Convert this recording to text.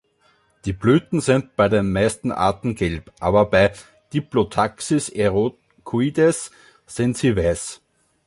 Die Blüten sind bei den meisten Arten gelb, aber bei „Diplotaxis erucoides” sind sie weiß.